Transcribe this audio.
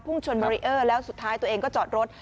ชนเบรีเออร์แล้วสุดท้ายตัวเองก็จอดรถ